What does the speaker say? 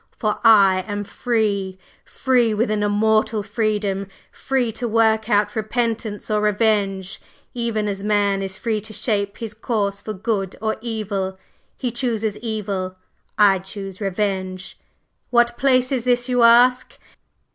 For I am free! free with an immortal freedom free to work out repentance or revenge, even as Man is free to shape his course for good or evil. He chooses evil; I choose revenge! What place is this, you ask?"